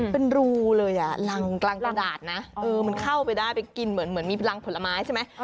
เป็นรูเลยอ่ะรังกลางกระดาษนะมันเข้าไปได้ไปกินเหมือนมีรังผลไม้ใช่ไหม